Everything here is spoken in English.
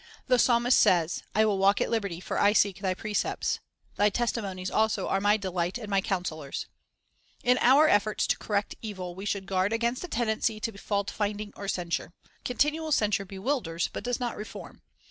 The psalmist says: "I will walk at liberty; for I seek Thy precepts." "Thy testimonies also are my delight and my counselors." 3 In our efforts to correct evil, we should guard against a tendency to faultfinding or censure. Con tinual censure bewilders, but does not reform.